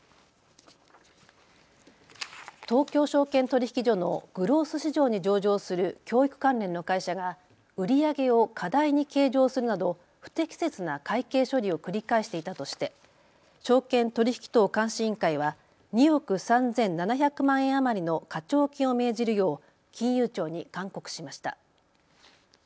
東京証券取引所のグロース市場に上場する教育関連の会社が売り上げを過大に計上するなど不適切な会計処理を繰り返していたとして証券取引等監視委員会は２億３７００万円余りの課徴金を命じるよう金融庁に勧告しました。